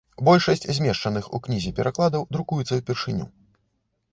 Большасць змешчаных у кнізе перакладаў друкуецца ўпершыню.